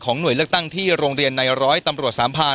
หน่วยเลือกตั้งที่โรงเรียนในร้อยตำรวจสามพาน